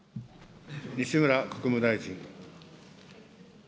西村国務大臣。